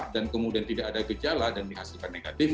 dan kemudian tidak ada gejala dan dihasilkan negatif